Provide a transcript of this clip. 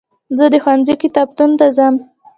زه د ښوونځي کتابتون ته ځم.